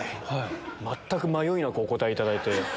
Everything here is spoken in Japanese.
全く迷いなくお答えいただいて。